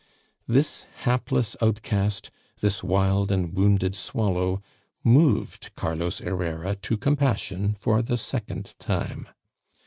This hapless outcast, this wild and wounded swallow, moved Carlos Herrera to compassion for the second time.